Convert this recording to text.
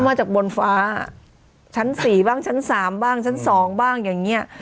มาจากบนฟ้าชั้น๔บ้างชั้น๓บ้างชั้น๒บ้างอย่างนี้